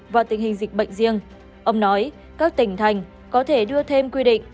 vào tình hình dịch bệnh riêng ông nói các tỉnh thành có thể đưa thêm quy định